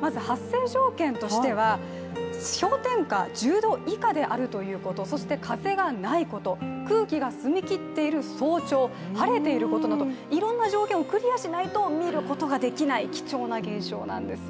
まず発生条件としては氷点下１０度以下であるということ、そして風がないこと空気が澄み切っている早朝晴れていることなどいろんな条件をクリアしないと見ることができない貴重な現象なんですよ。